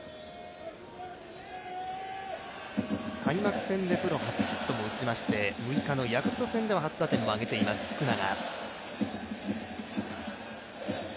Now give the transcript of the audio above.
開幕戦でプロ初ヒットも打ちまして、６日のヤクルト戦では初打点も挙げています、福永。